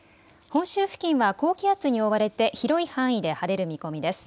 本州付近は高気圧に覆われて広い範囲で晴れる見込みです。